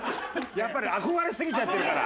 やっぱり憧れすぎちゃってるから。